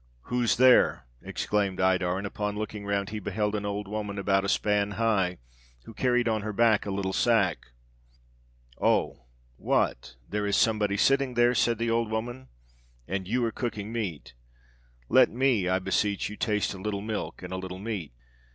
'Who's there?' exclaimed Iddar, and, upon looking round, he beheld an old woman about a span high, who carried on her back a little sack. 'Oh, what, there is somebody sitting there?' said the old woman, 'and you are cooking meat; let me, I beseech you, taste a little milk and a little meat.'